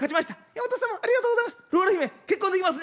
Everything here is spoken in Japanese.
「山本様ありがとうございます」。